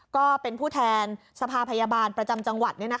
ก็เป็นผู้แทนสภาพยาบาลประจำจังหวัด